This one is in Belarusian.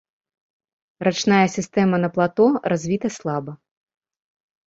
Рачная сістэма на плато развіта слаба.